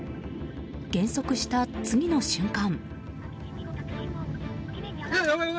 減速した次の瞬間。